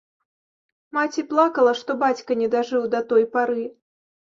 Маці плакала, што бацька не дажыў да той пары.